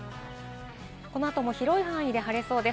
この後も広い範囲で晴れそうです。